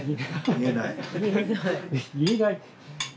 言えない？